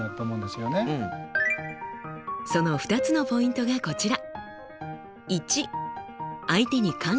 その２つのポイントがこちら。